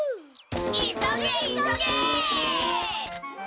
急げ急げ！